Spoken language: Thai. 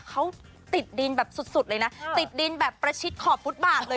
เขาติดดินแบบสุดเลยนะติดดินแบบประชิดขอบฟุตบาทเลย